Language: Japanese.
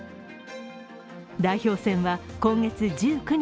代表選は今月１９日